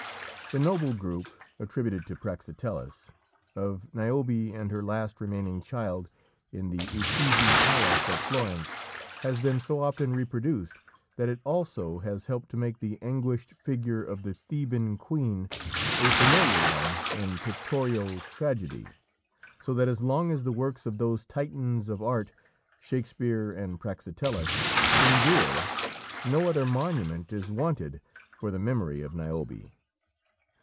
The noble group attributed to Praxiteles of Niobe and her last remaining child, in the Uffizi Palace at Florence, has been so often reproduced that it also has helped to make the anguished figure of the Theban queen a familiar one in pictorial tragedy, so that as long as the works of those Titans of art, Shakespeare and Praxiteles, endure, no other monument is wanted for the memory of Niobe.